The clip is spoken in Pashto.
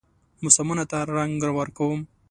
موسمونو ته رنګ ورکوم